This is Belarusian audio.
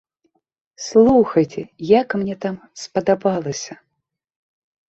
Слухайце, як мне там спадабалася!